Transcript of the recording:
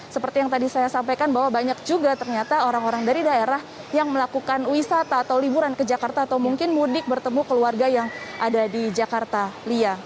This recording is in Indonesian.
seperti yang tadi saya sampaikan bahwa banyak juga ternyata orang orang dari daerah yang melakukan wisata atau liburan ke jakarta atau mungkin mudik bertemu keluarga yang ada di jakarta lia